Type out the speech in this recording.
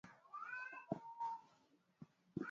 Vikosi vya Marekani havitalazimika tena kusafiri